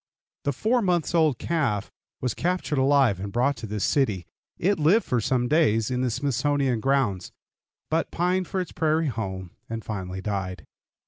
The four months' old calf was captured alive and brought to this city. It lived for some days in the Smithsonian grounds, but pined for its prairie home, and finally died.